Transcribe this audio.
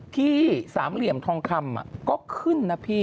ที่สามเหลี่ยมทองคำก็ขึ้นนะพี่